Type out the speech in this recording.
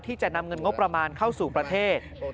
ที่จะนำเงินงบประมาณเข้าสู่ประเทศ